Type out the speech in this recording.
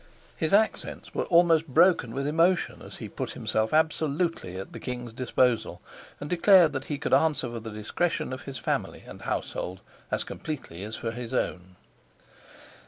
His accents were almost broken with emotion as he put himself absolutely at the king's disposal, and declared that he could answer for the discretion of his family and household as completely as for his own.